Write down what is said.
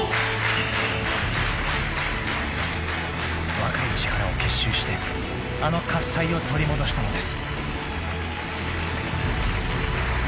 ［若い力を結集してあの喝采を取り戻したのです］